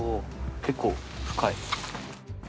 結構深い。